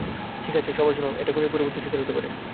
ঠিক আছে, সবাই শোনো, এটা খুনির পরবর্তী শিকার হতে পারে।